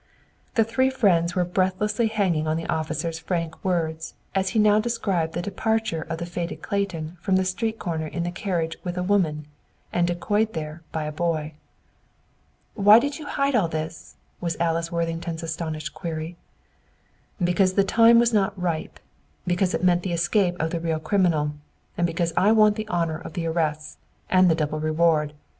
The three friends were breathlessly hanging on the officer's frank words as he now described the departure of the fated Clayton from the street corner in the carriage with a woman, and decoyed there by the boy. "Why did you hide all this?" was Alice Worthington's astounded query. "Because the time was not ripe; because it meant the escape of the real criminal; and because I want the honor of the arrests, and the double reward.